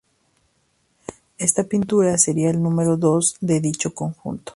Esta pintura sería la número dos de dicho conjunto.